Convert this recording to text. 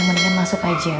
mendingan masuk saja